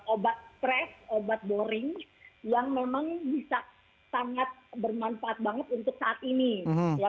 obat stres obat boring yang memang bisa sangat bermanfaat banget untuk saat ini ya